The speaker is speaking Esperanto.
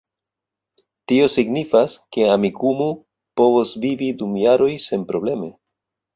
Tio signifas, ke Amikumu povos vivi dum jaroj senprobleme